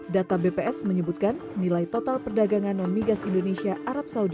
data bps menyebutkan nilai total perdagangan non migas indonesia arab saudi